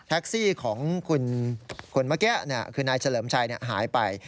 แท็กซี่ของคุณคุณเมื่อกี้เนี่ยคือนายเฉลิมชัยเนี่ยหายไป